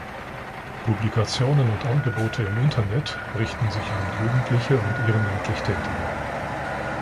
Publikationen und Angebote im Internet richten sich an Jugendliche und ehrenamtlich Tätige.